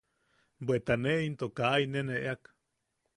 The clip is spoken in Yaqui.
Bweta ne into kaa inen eʼeak.